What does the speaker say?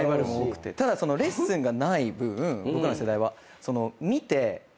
ただレッスンがない分僕らの世代は。